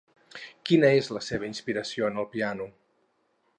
Quina és la seva inspiració en el piano?